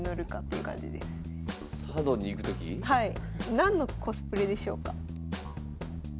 何のコスプレでしょうか？